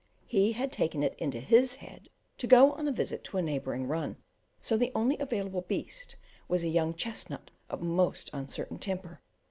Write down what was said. He had taken it into his head to go on a visit to a neighbouring run, so the only available beast was a young chestnut of most uncertain temper.